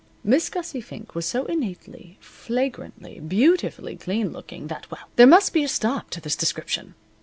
Miss Gussie Fink was so innately, flagrantly, beautifully clean looking that well, there must be a stop to this description.